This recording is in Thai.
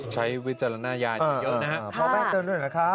ใช้วิจารณญาณเยอะนะครับ